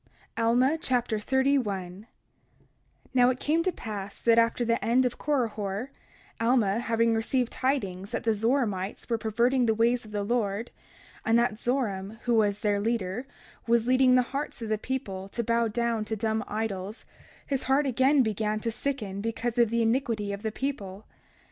Alma Chapter 31 31:1 Now it came to pass that after the end of Korihor, Alma having received tidings that the Zoramites were perverting the ways of the Lord, and that Zoram, who was their leader, was leading the hearts of the people to bow down to dumb idols, his heart again began to sicken because of the iniquity of the people.